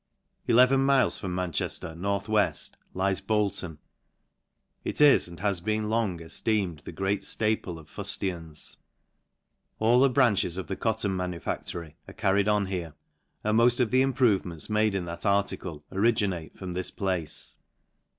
Eleven miles from Manchefter, north weft,. lies... Bolton. It is, and has been long, efteeme.d the great ftaple of fuftians. All the branches of the cotton manufactory are. carried on here, and moft of the, improvements made in that article, originate from this place.